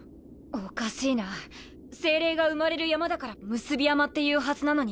おかしいな精霊が産まれる山だから産霊山って言うはずなのに。